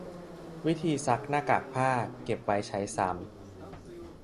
วิธีซักหน้ากากผ้า เก็บไว้ใช้ซ้ำ